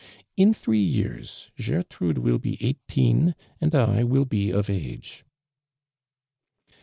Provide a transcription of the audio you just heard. In throe years 'jertrvide will he eighteen and 1 will he of Mge."